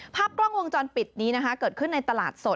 ภาพกล้องวงจรปิดนี้นะคะเกิดขึ้นในตลาดสด